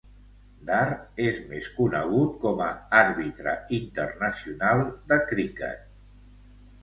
Dar és més conegut com a àrbitre internacional de criquet.